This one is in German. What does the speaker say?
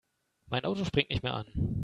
Mein Auto springt nicht mehr an.